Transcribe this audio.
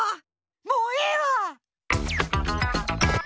もうええわ！